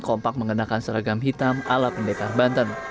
sempat mengenakan seragam hitam ala pendekah banten